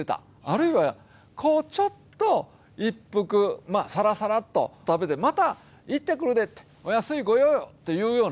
あるいはちょっと一服さらさらっと食べて「また行ってくるで」って「お安いご用よ」っていうようなね